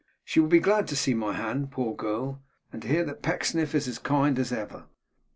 She will be glad to see my hand, poor girl, and to hear that Pecksniff is as kind as ever.